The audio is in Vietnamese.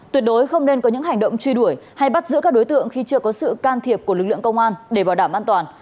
tuyệt đối không nên có những hành động truy đuổi hay bắt giữ các đối tượng khi chưa có sự can thiệp của lực lượng công an để bảo đảm an toàn